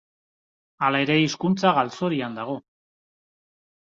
Hala ere, hizkuntza galzorian dago.